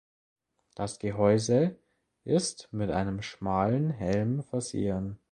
Das Gehäuse ist mit einem schmalen Helm versehen.